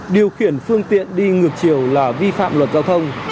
điều khiển phương tiện đi ngược chiều là vi phạm luật giao thông